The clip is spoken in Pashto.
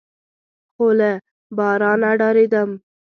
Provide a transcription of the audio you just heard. خو له بارانه ډارېدم.